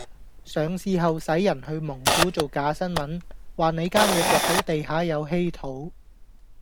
上市後洗人去蒙古做假新聞，話你間野挖到地下有稀土